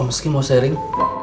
oh meski mau sharing